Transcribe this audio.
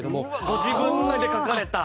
ご自分で書かれた？